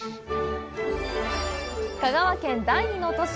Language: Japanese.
香川県第２の都市・